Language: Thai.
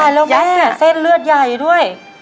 โอ้โหตายแล้วแม่เส้นเลือดใหญ่ด้วย